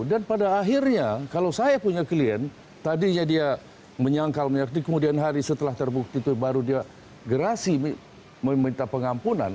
dan pada akhirnya kalau saya punya klien tadinya dia menyangkal menyerti kemudian hari setelah terbukti itu baru dia gerasi meminta pengampunan